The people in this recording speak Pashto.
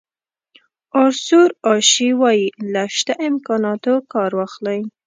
آرثور اشي وایي له شته امکاناتو کار واخلئ.